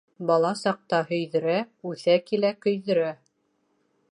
Бала саҡта һөйҙөрә, үҫә-килә көйҙөрә.